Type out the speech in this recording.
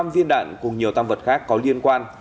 năm viên đạn cùng nhiều tăng vật khác có liên quan